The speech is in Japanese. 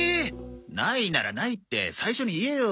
ないなら「ない」って最初に言えよ。